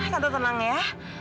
tante tenang ya